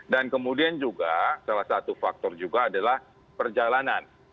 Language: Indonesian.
dan kemudian juga salah satu faktor juga adalah perjalanan